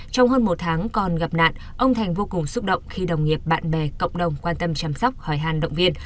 trong hơn một tháng còn gặp nạn ông thành vô cùng xúc động khi đồng nghiệp bạn bè cộng đồng quan tâm chăm sóc hỏi hàn động viên